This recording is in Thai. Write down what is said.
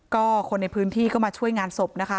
ก็คนในพื้นที่ก็มาช่วยงานศพนะคะ